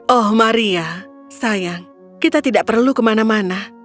oh maria sayang kita tidak perlu kemana mana